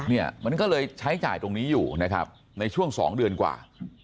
เนี่ยมันก็เลยใช้จ่ายตรงนี้อยู่นะครับในช่วง๒เดือนกว่า